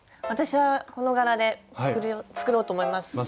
私はこの柄で作ろうと思います。